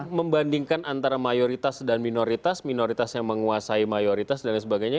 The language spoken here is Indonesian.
kalau membandingkan antara mayoritas dan minoritas minoritas yang menguasai mayoritas dan lain sebagainya